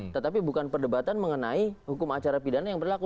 tetapi bukan perdebatan mengenai hukum acara pidana yang berlaku